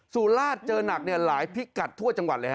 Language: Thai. สุราชเจอหนักหลายพิกัดทั่วจังหวัดเลยฮ